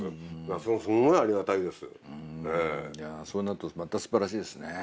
そうなるとまた素晴らしいですね。